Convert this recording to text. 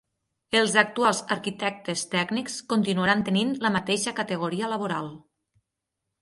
Els actuals arquitectes tècnics continuaran tenint la mateixa categoria laboral.